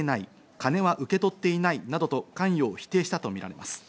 金は受け取っていないなどと関与を否定したとみられます。